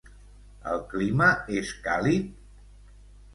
El clima és càlid?